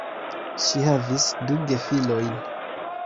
Ŝi havis du gefilojn.